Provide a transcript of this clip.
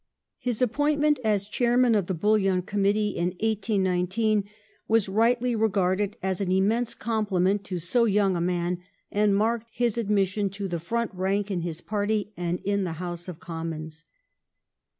His appointment as chairman of the Bullion Committee in 1819 was rightly regarded as an immense compliment to so young a man, and marked his admission to the front rank in his Party and in the House of Commons.